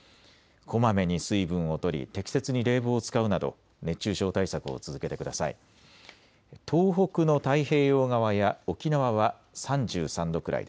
こまめに水分をとり適切に冷房を使うなど熱中症対策を続けてください。